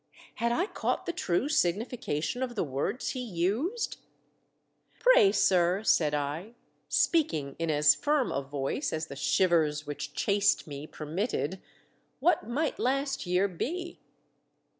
Had I caught the true siQ:nification of the words he used ? "Pray, sir," said I, speaking in as firm a voice as the shivers which chased me per mitted, "what might last year be?"